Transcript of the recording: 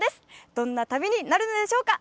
どんな旅になるのでしょうか。